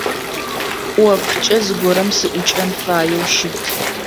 Ӏофкӏэ зыгорэм сыӏукӏэн фаеу щыт.